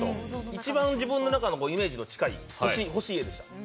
一番自分のイメージに近い欲しい絵でした。